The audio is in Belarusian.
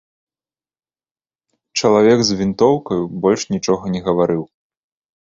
Чалавек з вінтоўкаю больш нічога не гаварыў.